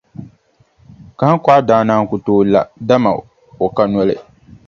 Kahiŋkɔɣu daa naan ku tooi la, dama o ka noli.